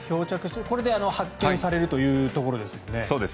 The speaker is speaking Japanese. これで発見されるというところですよね。